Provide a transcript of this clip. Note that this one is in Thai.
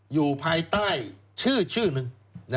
อยู่ภายใต้ชื่อหนึ่ง